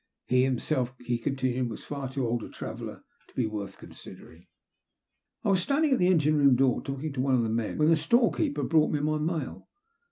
He, himself, he continued, was far too old a traveller to be worth considering. I was standing at the engine room door, talking to one of the men, when the store keeper brought me my mail.